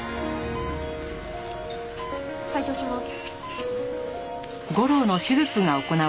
開頭します。